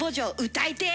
歌いてえ！